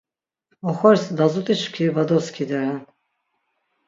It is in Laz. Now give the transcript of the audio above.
Oxoris lazut̆iş mkriti va doskideren.